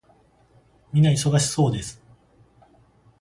皆忙しそうです。